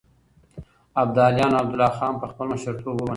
ابداليانو عبدالله خان په خپل مشرتوب ومنه.